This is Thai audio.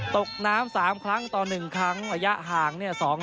ตกน้ำ๓ครั้งต่อ๑ครั้งระยะห่างเนี่ย